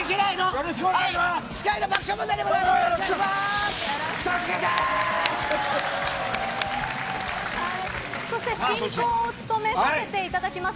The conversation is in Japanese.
よろしくお願いします。